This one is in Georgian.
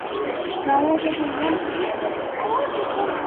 განლაგებულია მთის ქედზე.